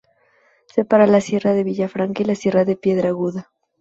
Separa la Sierra de Villafranca y la Sierra de Piedra Aguda.